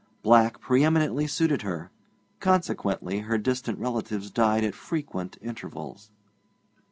Black pre eminently suited her. Consequently her distant relatives died at frequent intervals.